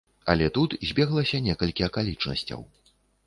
Але тут збеглася некалькі акалічнасцяў.